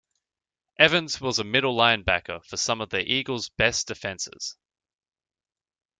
Evans was a middle linebacker for some of the Eagles best defenses.